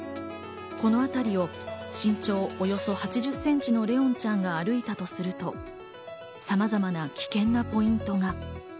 このあたりを身長およそ８０センチの怜音ちゃんが歩いたとすると、さまざまな危険なポイントが。